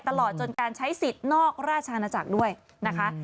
ตลอดจนการใช้สิทธิ์นอกราชอาณาจักรด้วยนะคะ